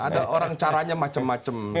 ada orang caranya macam macam